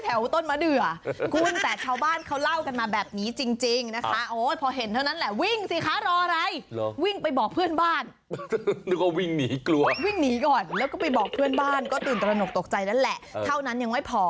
เพื่อนบ้านก็ตื่นตระหนกตกใจแล้วแหละเท่านั้นยังไม่พอ